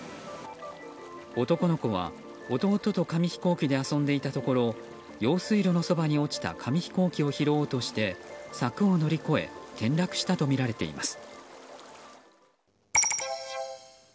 男の子は弟と紙飛行機で遊んでいたところ用水路のそばに落ちた紙飛行機を取ろうとして柵を乗り越え転落したとみられています。